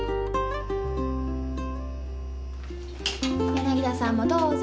柳田さんもどうぞ。